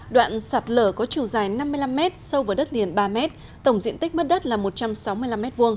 đoạn sạt lở có chiều dài năm mươi năm m sâu vào đất liền ba m tổng diện tích mất đất là một trăm sáu mươi năm m hai